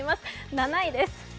７位です。